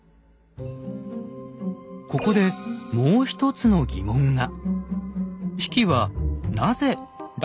ここでもう一つの疑問が。